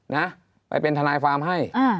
นะไปเป็นทนายความให้